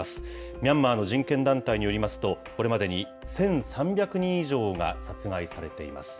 ミャンマーの人権団体によりますと、これまでに１３００人以上が殺害されています。